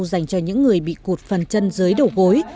dành cho những người bị cụt phần chân dưới đầu gối